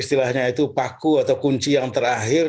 istilahnya itu paku atau kunci yang terakhir